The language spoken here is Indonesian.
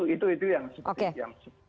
itu yang seperti yang